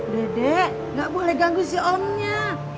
dedek gak boleh ganggu si omnya